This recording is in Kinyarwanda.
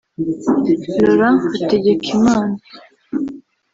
Lauren Hategekimana